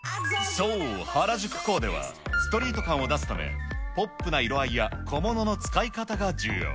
そう、原宿コーデは、ストリート感を出すため、ポップな色合いや、小物の使い方が重要。